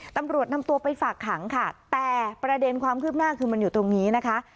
ตำรวจนำตัวไปฝากขังค่ะแต่ประเด็นความคืบหน้าคือมันอยู่ตรงนี้นะคะ